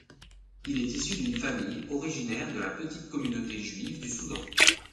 Il est issu d'une famille originaire de la petite communauté juive du Soudan.